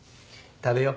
食べよう。